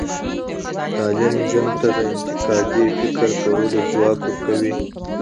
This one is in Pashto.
تعلیم نجونو ته د انتقادي فکر کولو ځواک ورکوي.